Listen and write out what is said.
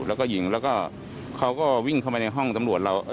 แล้วก็ยิงแล้วก็เขาก็วิ่งเข้าไปในห้องตำรวจเรา